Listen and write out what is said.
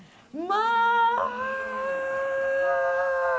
まあ！